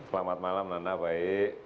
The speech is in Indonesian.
selamat malam nana baik